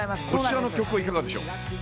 こちらの曲はいかがでしょう？